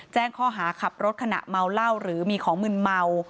แจ้งข้อหาขับรถขณะเมาเหล้าหรือมีของมึนเมา